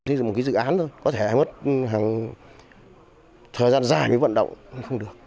thế rồi một cái dự án thôi có thể mất hàng thời gian dài mới vận động không được